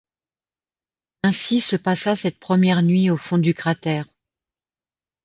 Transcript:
Ainsi se passa cette première nuit au fond du cratère.